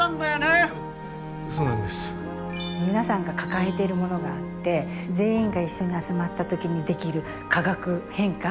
皆さんが抱えているものがあって全員が一緒に集まった時にできる化学変化